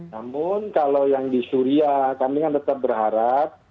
namun kalau yang di suria kami kan tetap berharap